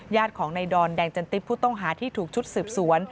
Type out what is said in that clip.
ญาติของในดอนแดงจันทริปผู้ต้องหาที่ถูกชุดสืบสวน